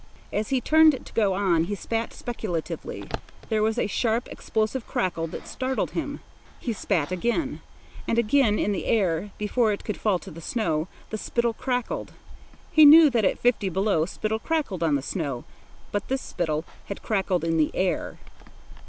As he turned to go on, he spat speculatively. There was a sharp, explosive crackle that startled him. He spat again. And again, in the air, before it could fall to the snow, the spittle crackled. He knew that at fifty below spittle crackled on the snow, but this spittle had crackled in the air.